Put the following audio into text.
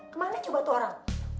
kemana coba tuh orang